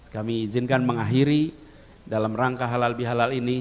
kami izinkan mengakhiri dalam rangka halal bihalal ini